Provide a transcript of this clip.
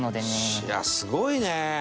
いやすごいね！